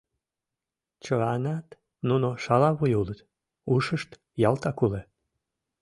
Чыланат нуно шалавуй улыт, ушышт ялтак уке.